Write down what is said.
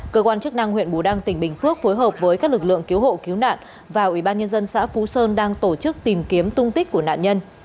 cơ quan chức năng huyện bù đăng tỉnh bình phước phối hợp với các lực lượng cứu hộ cứu nạn và ủy ban nhân dân xã phú sơn đang tổ chức tìm kiếm tung tích của nạn nhân